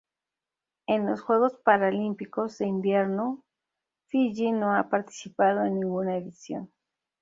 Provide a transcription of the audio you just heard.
En los Juegos Paralímpicos de Invierno Fiyi no ha participado en ninguna edición.